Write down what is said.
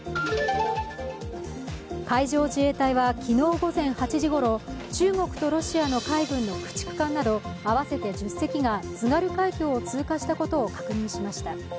海上自衛隊は昨日午前８時頃中国とロシアの海軍の駆逐艦など合わせて１０隻が津軽海峡を通過したことを確認しました。